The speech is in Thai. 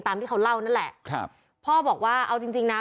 ตามที่เขาเล่านั่นแหละครับพ่อบอกว่าเอาจริงจริงนะ